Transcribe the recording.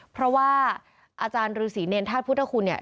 เพราะว่าอาจารย์ฤษีเนรธาตุพุทธคุณเนี่ย